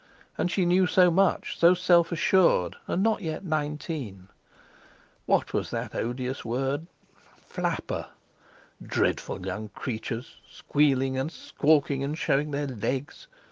And she knew so much, so self assured, and not yet nineteen. What was that odious word? Flapper! Dreadful young creatures—squealing and squawking and showing their legs!